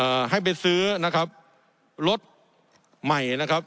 เอให้ไปซื้อนะครับรถใหม่นะครับ